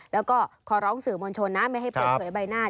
แล้วก็ขอร้องสื่อมวลชนนะไม่ให้เปิดเผยใบหน้า